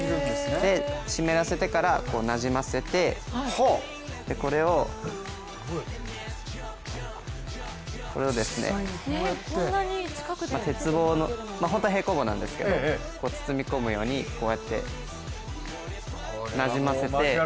で湿らせてからなじませてこれを鉄棒の本当は平行棒なんですけど包み込むようにこうやってなじませて。